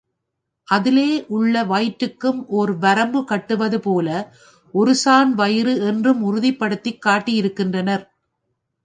அதிலே உள்ள வயிற்றுக்கும் ஒர் வரம்பு கட்டுவதுபோல, ஒரு சாண் வயிறு என்றும் உறுதிப்படுத்திக் காட்டியிருக்கின்றனர்.